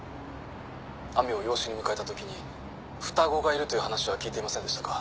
亜美を養子に迎えた時に双子がいるという話は聞いていませんでしたか？